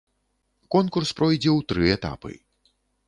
Конкурс пройдзе ў тры этапы.